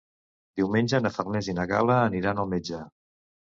Diumenge na Farners i na Gal·la aniran al metge.